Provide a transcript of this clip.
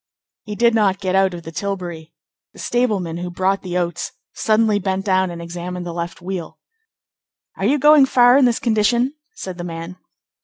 He did not get out of the tilbury. The stableman who brought the oats suddenly bent down and examined the left wheel. "Are you going far in this condition?" said the man.